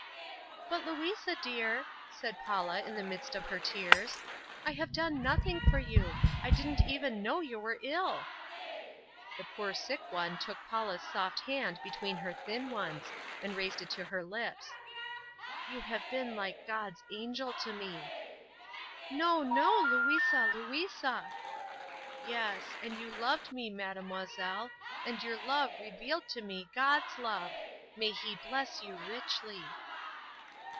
"But Louisa dear," said Paula in the midst of her tears, "I have done nothing for you; I didn't even know you were ill." The poor sick one took Paula's soft hand between her thin ones, and raised it to her lips, "You have been like God's angel to me." "No, no, Louisa, Louisa!" "Yes, and you loved me, mademoiselle, and your love revealed to me God's love! May He bless you richly!"